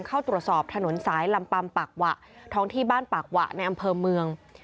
เข้าตรวจสอบถนนสายลำปัมปากหวะท้องที่บ้านปากหวะในอำเภอเมือง